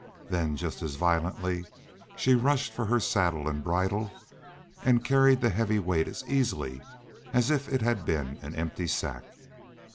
Then just as violently she rushed for her saddle and bridle and carried the heavy weight as easily as if it had been an empty sack.